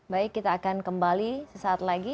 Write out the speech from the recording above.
baik kita akan kembali sesaat lagi